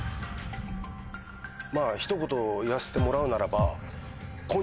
まぁひと言言わせてもらうならば。